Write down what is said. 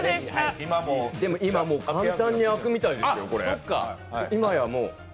今はもう、簡単にあくみたいですよ。